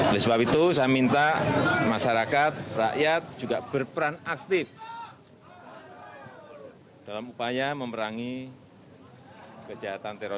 oleh sebab itu saya minta masyarakat rakyat juga berperan aktif dalam upaya memerangi kejahatan terorisme